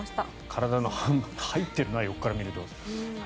体に入っているな横から見ると。